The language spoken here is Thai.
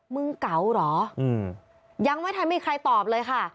มึงเก๋าหรอยังไม่ได้มีใครตอบเลยค่ะ